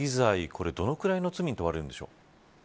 これはどのくらいの罪に問われるんでしょうか。